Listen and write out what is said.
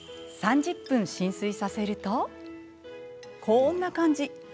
３０分浸水させるとこんな感じ。